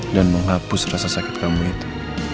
dan menghapus rasa sakit kamu itu